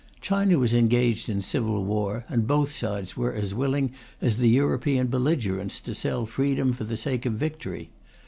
China was engaged in civil war, and both sides were as willing as the European belligerents to sell freedom for the sake of victory.